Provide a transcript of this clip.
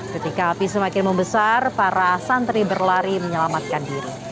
ketika api semakin membesar para santri berlari menyelamatkan diri